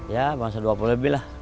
ya masa dua puluh lebih lah